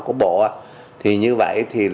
của bộ thì như vậy thì